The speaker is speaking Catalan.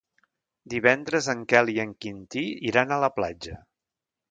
Divendres en Quel i en Quintí iran a la platja.